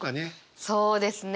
そうですね。